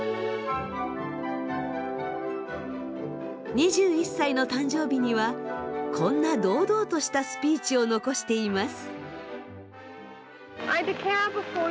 ２１歳の誕生日にはこんな堂々としたスピーチを残しています。